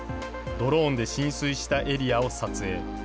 ドローンで浸水したエリアを撮影。